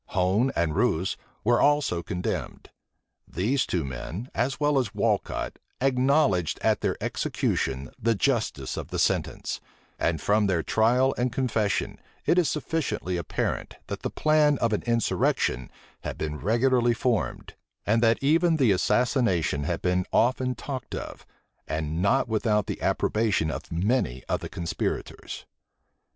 Hone and Rouse were also condemned. These two men, as well as Walcot, acknowledged at their execution the justice of the sentence; and from their trial and confession it is sufficiently apparent, that the plan of an insurrection had been regularly formed, and that even the assassination had been often talked of, and not without the approbation of many of the conspirators.